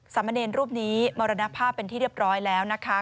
สามเณรรูปนี้มรณภาพเป็นที่เรียบร้อยแล้วนะคะ